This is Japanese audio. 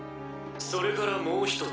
それからもう１つ。